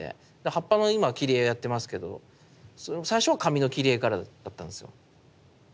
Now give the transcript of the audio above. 葉っぱの今切り絵やってますけど最初は紙の切り絵からだったんですよ。